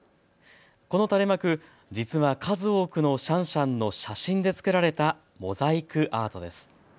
この垂れ幕、実は数多くのシャンシャンの写真で作られたモザイクアートです。